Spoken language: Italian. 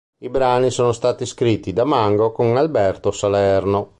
I brani sono stati scritti da Mango con Alberto Salerno.